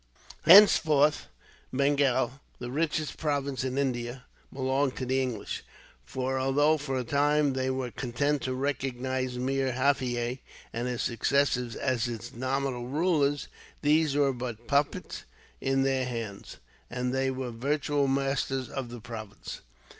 Henceforth Bengal, the richest province in India, belonged to the English; for although, for a time, they were content to recognize Meer Jaffier and his successors as its nominal rulers, these were but puppets in their hands, and they were virtual masters of the province.